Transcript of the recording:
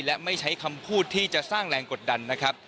และไม่ใช้คำพูดที่จะสร้างแรงกดดันนะครับ